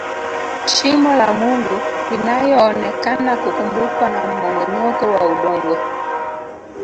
shimo la mungu linayoonekana kukumbwa na mmomonyoko wa udongo